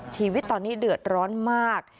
ชีวิตตอนนี้เดือดร้อนมาก